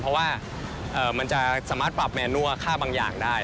เพราะว่ามันจะสามารถปรับแนนั่วค่าบางอย่างได้